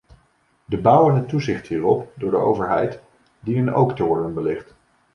De bouw en het toezicht hierop door de overheid dienen ook te worden belicht.